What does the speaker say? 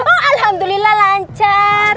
oh alhamdulillah lancar